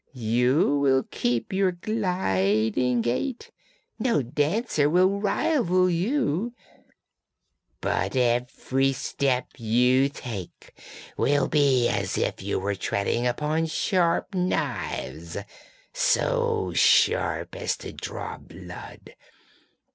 You will keep your gliding gait, no dancer will rival you, but every step you take will be as if you were treading upon sharp knives, so sharp as to draw blood.